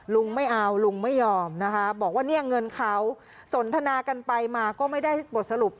ลุงไม่เอาลุงไม่ยอมนะคะบอกว่าเนี่ยเงินเขาสนทนากันไปมาก็ไม่ได้บทสรุป